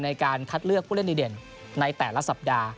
ในการคัดเลือกผู้เล่นดีเด่นในแต่ละสัปดาห์